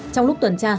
trong lúc tuần tra